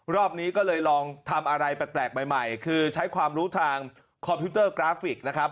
รอบนี้ก็เลยลองทำอะไรแปลกใหม่คือใช้ความรู้ทางคอมพิวเตอร์กราฟิกนะครับ